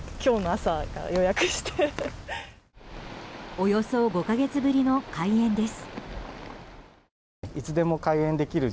およそ５か月ぶりの開園です。